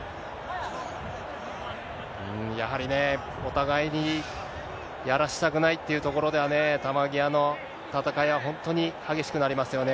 うーん、やはりね、お互いにやらせたくないっていうところではね、球際の戦いは本当に激しくなりますよね。